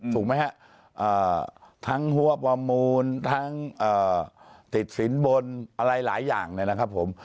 ถูกไหมฮะทั้งหัวประมูลทั้งติดสินบนอะไรหลายอย่างเนี่ยนะครับผม